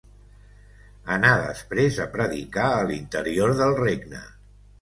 Anà després a predicar a l'interior del regne.